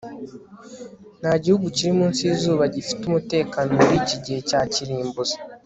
nta gihugu kiri munsi yizuba gifite umutekano muri iki gihe cya kirimbuzi